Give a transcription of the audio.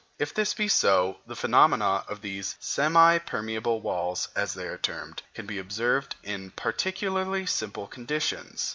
If this be so, the phenomena of these semi permeable walls, as they are termed, can be observed in particularly simple conditions.